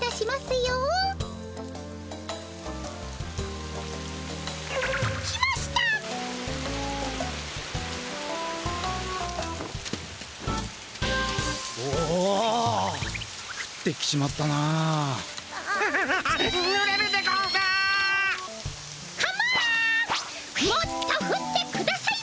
もっとふってくださいませ！